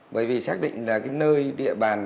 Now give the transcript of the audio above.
bởi vì xác định là nơi địa bàn